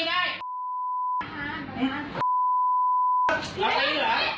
เลี่ยงทำไม